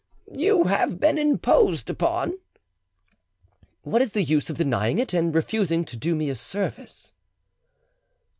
"You have been imposed upon." "What is the use of denying it and refusing to do me a service?"